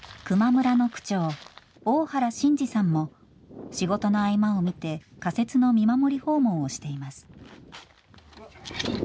球磨村の区長大原伸司さんも仕事の合間を見て仮設の見守り訪問をしています。